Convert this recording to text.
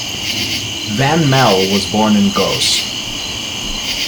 Van Melle was born in Goes.